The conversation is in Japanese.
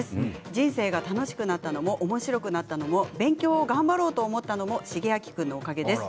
人生が楽しくなったのもおもしろくなったのも勉強頑張ろうと思ったのもシゲアキ君のおかげです。